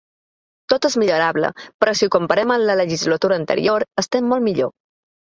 Tot és millorable, però si ho comparem amb la legislatura anterior, estem molt millor.